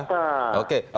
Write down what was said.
dia menjadikan perubatan